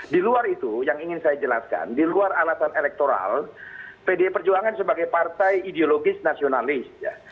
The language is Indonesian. diluar itu yang ingin saya jelaskan diluar alasan elektoral pdi perjuangan sebagai partai ideologis nasionalis ya